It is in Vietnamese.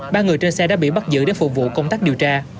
ba người trên xe đã bị bắt giữ để phục vụ công tác điều tra